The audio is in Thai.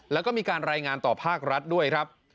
และก็มีการรายงานต่อภาครัฐด้วย